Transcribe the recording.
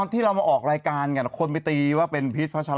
ที่เรามาออกรายการกันคนไปตีว่าเป็นพีชพัชรา